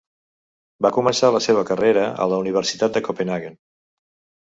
Va començar la seva carrera a la universitat de Copenhaguen.